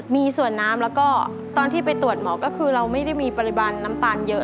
มีส่วนน้ำแล้วก็ตอนที่ไปตรวจหมอก็คือเราไม่ได้มีปริมาณน้ำตาลเยอะ